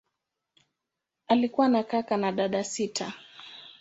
Alikuwa na kaka na dada sita.